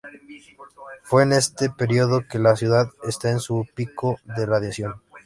Fue en este período que la ciudad está en su pico de radiación.